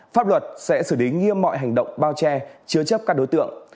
pháp luật sẽ xử lý nghiêm mọi hành động bao che chứa chấp các đối tượng